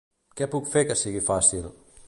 Què puc fer que sigui fàcil.